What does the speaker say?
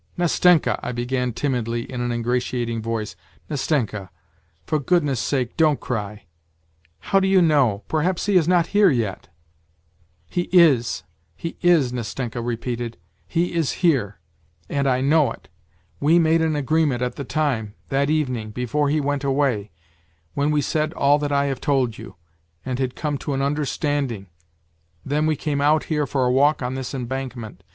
" Nastenka," I began timidly in an ingratiating voice, " Nas tenka ! For goodness' sake don't cry ! How do you know ? Perhaps he is not here yet. ..."" He is, he is," Nastenka repeated. " He is here, and I know it. We made an agreement at the time, that evening, before he went away : when we said all that I have told you, and had come to an understanding, then we came out here for a walk on this embankment.